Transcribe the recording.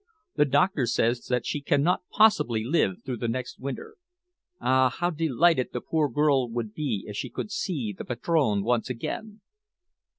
The doctor says that she cannot possibly live through the next winter. Ah! how delighted the poor girl would be if she could see the padrone once again!"